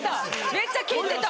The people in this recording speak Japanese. めっちゃ聞いてた。